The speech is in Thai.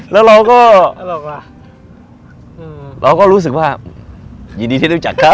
แล้วเราก็รู้สึกว่ายินดีที่รู้จักเขา